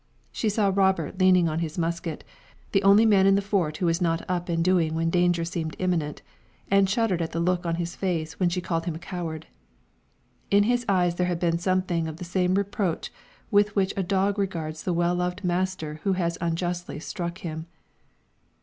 She saw Robert leaning on his musket, the only man in the Fort who was not up and doing when danger seemed imminent, and shuddered at the look on his face when she called him a coward. In his eyes there had been something of the same reproach with which a dog regards the well loved master who has unjustly struck him.